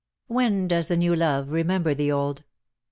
When does the new love remember the old?